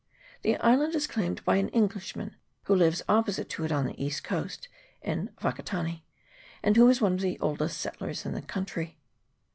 The island is claimed by an Englishman, who lives opposite to it on the east coast, in Wakatane, and who is one of the oldest settlers in the country.